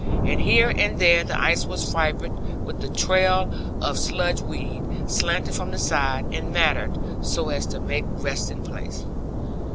And here and there the ice was fibred with the trail of sludge weed, slanting from the side, and matted, so as to make resting place.